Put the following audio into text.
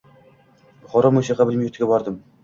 Buxoro musiqa bilim yurtiga bordim.